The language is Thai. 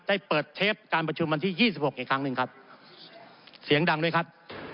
ได้เปิดเทปการประชุมวันที่ยี่สิบหกอีกครั้งหนึ่งครับเสียงดังด้วยครับ